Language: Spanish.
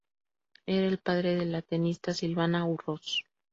Era el padre de la tenista Silvana Urroz.